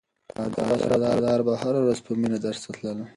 قادر او سردار به هره ورځ په مینه درس ته تلل.